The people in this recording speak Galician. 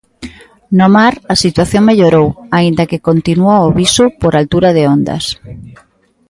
No mar a situación mellorou, aínda que continúa o aviso por altura de ondas.